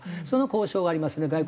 その交渉はありますね。